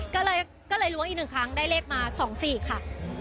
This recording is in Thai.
ก็เลยล้วงอีก๑ครั้งได้เลขมา๒๔ค่ะ